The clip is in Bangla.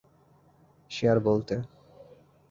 সে আর বলতে।